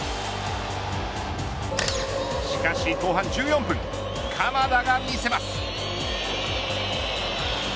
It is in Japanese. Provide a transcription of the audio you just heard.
しかし後半１４分鎌田が見せます。